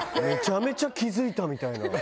めちゃめちゃ気付いたみたいな。